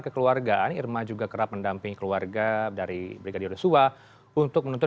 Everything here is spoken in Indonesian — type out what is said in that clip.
kekeluargaan irma juga kerap mendamping keluarga dari brigadier suhahtabarat untuk menuntut